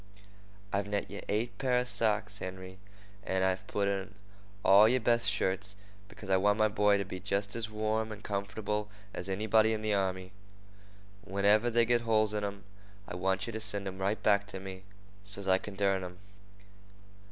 "I've knet yeh eight pair of socks, Henry, and I've put in all yer best shirts, because I want my boy to be jest as warm and comf'able as anybody in the army. Whenever they get holes in 'em, I want yeh to send 'em right away back to me, so's I kin dern 'em.